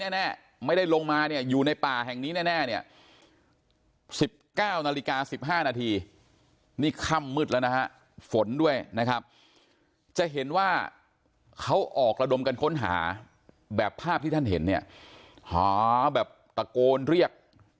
นาฬิกา๑๕นาทีนี่ค่ำมืดแล้วนะฝนด้วยนะครับจะเห็นว่าเขาออกระดมกันค้นหาแบบภาพที่ท่านเห็นเนี่ยแบบตะโกนเรียก